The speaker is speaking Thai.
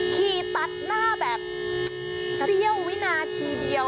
ขี่ตัดหน้าแบบเสี้ยววินาทีเดียว